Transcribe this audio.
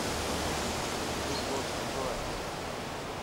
بلو ڪوٽ سٺو هي.